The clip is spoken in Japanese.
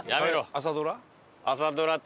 朝ドラ？